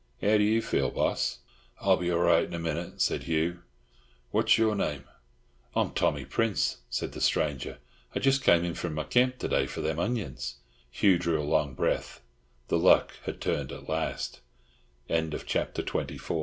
How do you feel, boss?" "I'll be all right in a minute," said Hugh. "What's your name?" "I'm Tommy Prince," said the stranger. "I jist kem in from my camp to day for them onions." Hugh drew a long breath. The luck had turned at last.